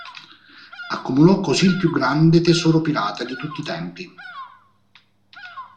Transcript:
Accumulò così il più grande tesoro pirata di tutti i tempi.